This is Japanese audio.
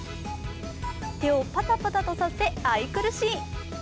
手をパタパタとさせ、愛くるしい。